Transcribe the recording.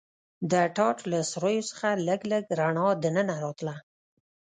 د ټاټ له سوریو څخه لږ لږ رڼا دننه راتله.